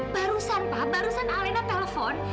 barusan pak barusan alena telpon